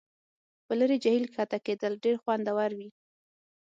په لرې جهیل کښته کیدل ډیر خوندور وي